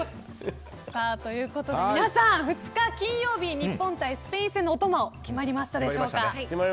皆さん、２日、金曜日日本対スペイン戦のお供は決まりましたでしょうか。